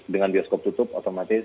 dengan bioskop tutup otomatis